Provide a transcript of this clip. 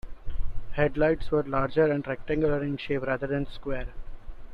Headlights were larger and rectangular in shape, rather than square.